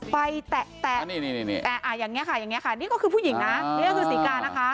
ไปแตะอย่างนี้ค่ะนี่ก็คือผู้หญิงนะนี่ก็คือสีกานะคะ